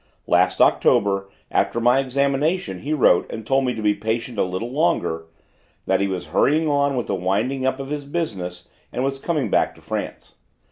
Last October, after my examination, he wrote and told me to be patient a little longer, and that he was hurrying on with the winding up of his business and coming back to France.